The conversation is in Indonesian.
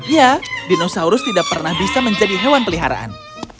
ya dinosaurus tidak pernah bisa menjadi hewan peliharaan